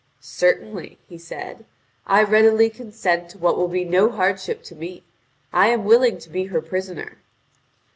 "Certainly," he said, "I readily consent to what will be no hardship to me. I am willing to be her prisoner."